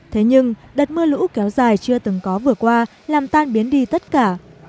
thế nhưng đợt mưa lũ kéo dài chưa từng có vừa qua làm tan biến đi tất cả